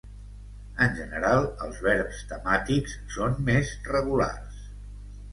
En general, els verbs temàtics són més regulars.